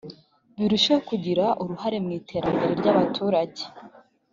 birusheho kugira uruhare mu iterambere ry’abaturage